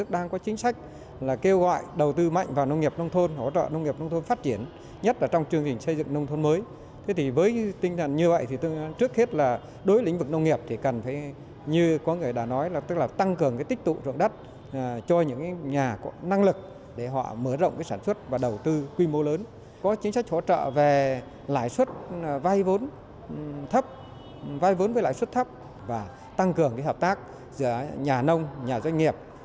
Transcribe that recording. lãi suất vai vốn thấp vai vốn với lãi suất thấp và tăng cường hợp tác giữa nhà nông nhà doanh nghiệp